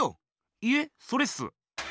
いえそれっす。